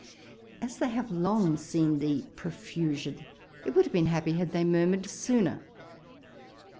As they have long seen the profusion, it would have been happy had they murmured sooner.